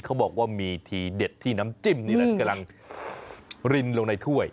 เขาบอกว่ามีทีเด็ดที่น้ำจิ้มนี่นั้นกำลังรินลงในถ้วย